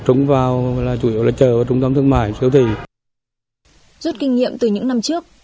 trung vào chủ yếu là chợ trung tâm thương mại siêu thị rút kinh nghiệm từ những năm trước